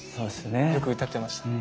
よく歌ってましたね。